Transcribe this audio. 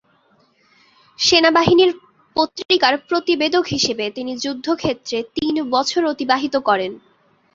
সেনাবাহিনীর পত্রিকার প্রতিবেদক হিসেবে তিনি যুদ্ধক্ষেত্রে তিন বছর অতিবাহিত করেন।